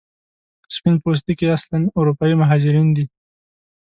سپین پوستکي اصلا اروپایي مهاجرین دي.